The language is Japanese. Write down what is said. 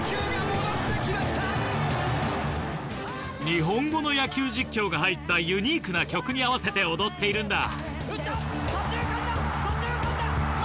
日本語の野球実況が入ったユニークな曲に合わせて踊っているんだ。